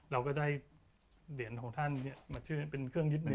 เราก็ได้เหรียญของท่านเนี่ยมาเชื่อเป็นเครื่องยึดเหนื่อย